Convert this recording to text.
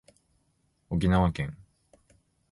沖縄県